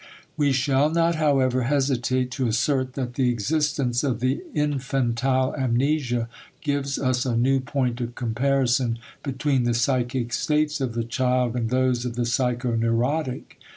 We shall not, however, hesitate to assert that the existence of the infantile amnesia gives us a new point of comparison between the psychic states of the child and those of the psychoneurotic.